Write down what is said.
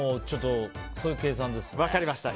そういう計算ですね。